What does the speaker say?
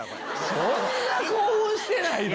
そんな興奮してないでしょ。